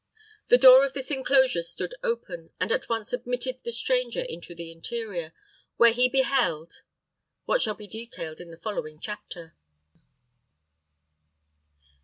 The door of this enclosure stood open, and at once admitted the stranger into the interior, where he beheld what shall be detailed in the following chapter.